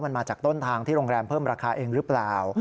มันมาจากต้นทางที่โรงแรมเพิ่มราคาเองหรือเปล่า